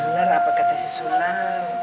benar apa kata sulam